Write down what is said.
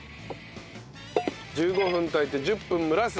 １５分炊いて１０分蒸らす。